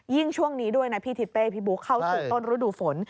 ช่วงนี้ด้วยนะพี่ทิศเป้พี่บุ๊คเข้าสู่ต้นฤดูฝน